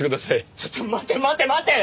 ちょっと待て待て待て！